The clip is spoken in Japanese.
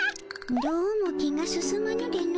どうも気が進まぬでの。